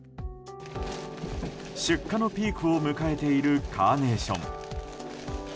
出荷のピークを迎えているカーネーション。